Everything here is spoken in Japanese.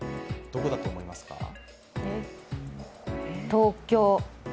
東京？